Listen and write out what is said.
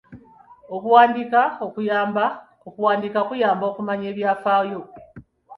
Okuwandiika kuyamba okumanya ebyafaayo.